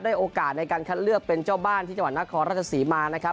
โอกาสในการคัดเลือกเป็นเจ้าบ้านที่จังหวัดนครราชศรีมานะครับ